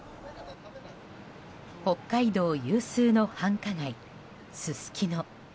北海道有数の繁華街すすきの。